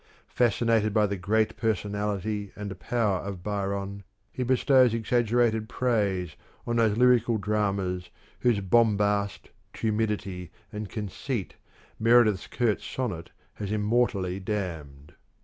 Fascin ated by the great personality and power of Byron, he bestows exaggerated praise on those lyrical dramas whose bombast, tumidity, and conceit Meredith's curt sonnet has immortally damned.